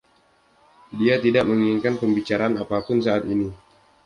Dia tidak menginginkan pembicaraan apa pun saat ini.